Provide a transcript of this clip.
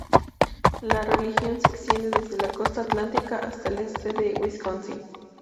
La región se extiende desde la costa atlántica hasta el este de Wisconsin.